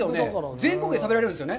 全国で食べられるんですよね。